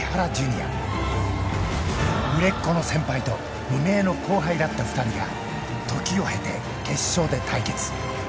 ［売れっ子の先輩と無名の後輩だった２人が時を経て決勝で対決］